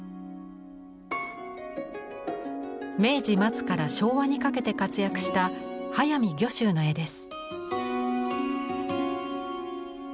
明治末から昭和にかけて活躍した速水御舟の絵です。